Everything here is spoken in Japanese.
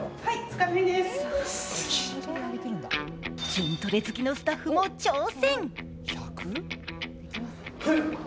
筋トレ好きのスタッフも挑戦。